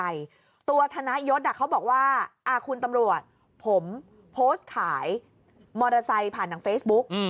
ตัวธนยศเขาบอกว่าคุณตำรวจผมโพสต์ขายมอเตอร์ไซค์ผ่านทางเฟซบุ๊ก